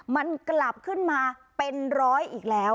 มันกลับขึ้นมาเป็นร้อยอีกแล้ว